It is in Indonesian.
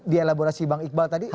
di elaborasi bang iqbal tadi